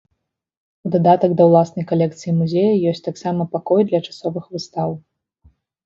У дадатак да ўласнай калекцыі музея ёсць таксама пакой для часовых выстаў.